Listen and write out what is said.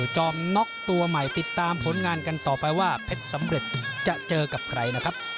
จอมน็อกตัวใหม่ติดตามผลงานกันต่อไปว่าเพชรสำเร็จจะเจอกับใครนะครับ